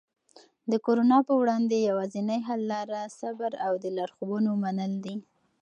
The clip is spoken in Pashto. د کرونا په وړاندې یوازینی حل لاره صبر او د لارښوونو منل دي.